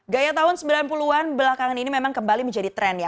gaya tahun sembilan puluh an belakangan ini memang kembali menjadi tren ya